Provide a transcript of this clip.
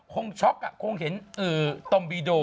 ช็อกคงเห็นตมบีโด